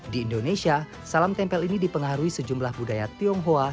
di indonesia salam tempel ini dipengaruhi sejumlah budaya tionghoa